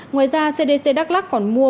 ngoài ra cdc đắk lắc còn mua